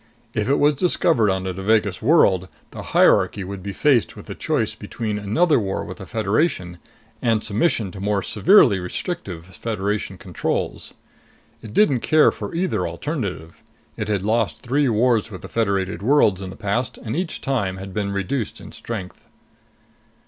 If it was discovered on a Devagas world, the hierarchy would be faced with the choice between another war with the Federation and submission to more severely restrictive Federation controls. It didn't care for either alternative; it had lost three wars with the Federated worlds in the past and each time had been reduced in strength.